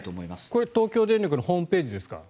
これは東京電力のホームページですか？